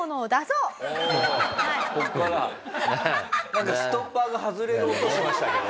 なんかストッパーが外れる音しましたけどね。